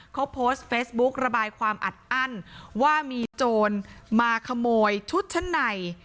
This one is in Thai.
เขาโพสต์เฟซบุ๊กระบายความอัดอั้นว่ามีโจรมาขโมยชุดชั้นใน